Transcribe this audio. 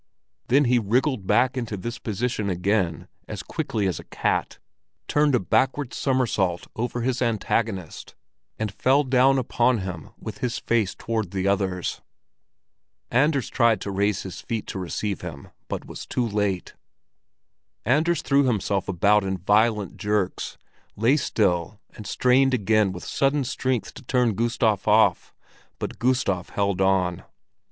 Then he wriggled back into this position again as quickly as a cat, turned a backward somersault over his antagonist, and fell down upon him with his face toward the other's. Anders tried to raise his feet to receive him, but was too late. Anders threw himself about in violent jerks, lay still and strained again with sudden strength to turn Gustav off, but Gustav held on.